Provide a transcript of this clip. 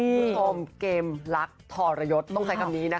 คุณผู้ชมเกมรักทรยศต้องใช้คำนี้นะคะ